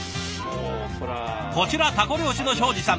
こちらタコ漁師の庄司さん。